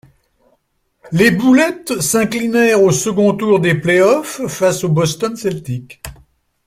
Les Bullets s'inclinèrent au second tour des playoffs face aux Boston Celtics.